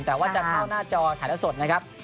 แต่ว่าจะเข้าหน้าจอถ่ายละสดนะครับ